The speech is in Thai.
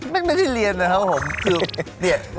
มันไม่ได้เรียนนะครับผม